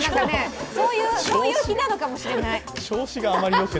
そういう日なのかもしれない。